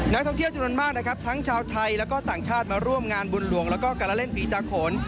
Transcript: นักท่องเที่ยวจำนวนมากนะครับทั้งชาวไทยแล้วก็ต่างชาติมาร่วมงานบุญหลวงแล้วก็การเล่นผีตาโขน